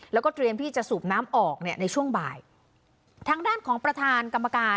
แล้วก็เตรียมที่จะสูบน้ำออกเนี่ยในช่วงบ่ายทางด้านของประธานกรรมการ